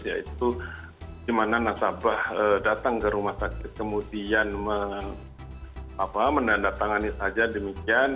yaitu di mana nasabah datang ke rumah sakit kemudian menandatangani saja demikian